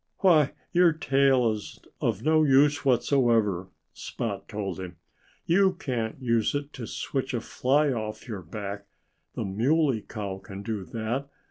"Why, your tail is of no use whatsoever," Spot told him. "You can't use it to switch a fly off your back. The Muley Cow can do that.